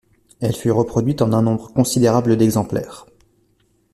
Elle fut reproduite en un nombre considérable d'exemplaires.